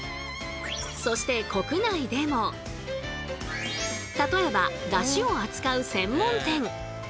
そして例えばだしを扱う専門店。